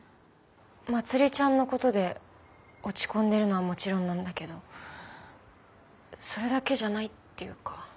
まつりちゃんの事で落ち込んでるのはもちろんなんだけどそれだけじゃないっていうか。